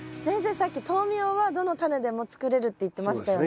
さっき豆苗はどのタネでも作れるって言ってましたよね。